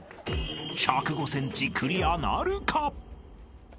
［１０５ｃｍクリアなるか？］